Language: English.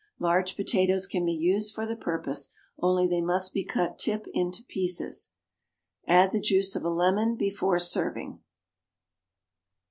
Large potatoes can be used for the purpose, only they must be cut tip into pieces. Add the juice of a lemon before serving.